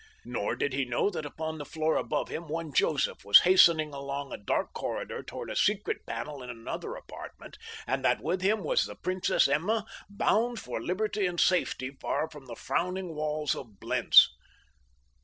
Nor did he know that upon the floor above him one Joseph was hastening along a dark corridor toward a secret panel in another apartment, and that with him was the Princess Emma bound for liberty and safety far from the frowning walls of Blentz.